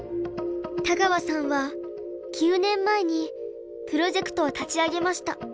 田川さんは９年前にプロジェクトを立ち上げました。